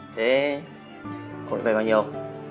thế ông có tên bao nhiêu